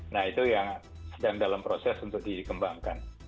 nah itu yang sedang dalam proses untuk dikembangkan